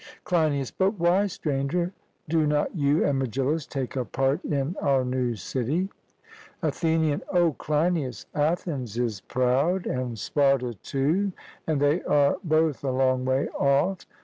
CLEINIAS: But why, Stranger, do not you and Megillus take a part in our new city? ATHENIAN: O, Cleinias, Athens is proud, and Sparta too; and they are both a long way off.